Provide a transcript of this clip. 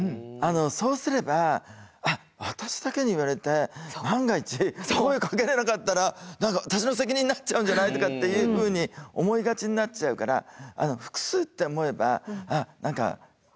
そうすれば私だけに言われて万が一声かけれなかったら何か私の責任になっちゃうんじゃない？とかっていうふうに思いがちになっちゃうから複数って思えばああ何か分かる。